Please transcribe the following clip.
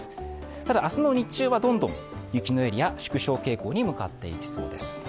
ただ、明日の日中はどんどん雪のエリア、縮小傾向に向かっていきそうです。